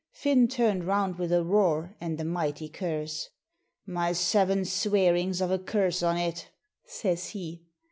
Finn turned round with a roar and a mighty curse: 'My seven swearings of a curse on it!' says he.